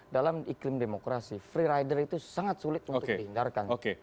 dalam iklim demokrasi free rider itu sangat sulit untuk dihindarkan